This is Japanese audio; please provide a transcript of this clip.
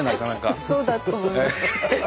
きっとそうだと思います。